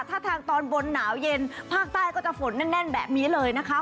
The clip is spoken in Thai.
ถ้าทางตอนบนหนาวเย็นภาคใต้ก็จะฝนแน่นแบบนี้เลยนะคะ